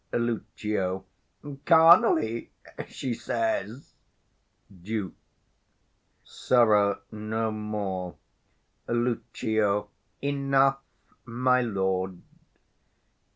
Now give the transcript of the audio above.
Lucio. Carnally, she says. Duke. Sirrah, no more! Lucio. Enough, my lord.